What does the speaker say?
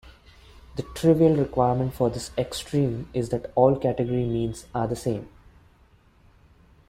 The trivial requirement for this extreme is that all category means are the same.